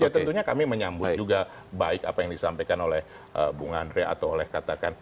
ya tentunya kami menyambut juga baik apa yang disampaikan oleh bung andre atau oleh katakan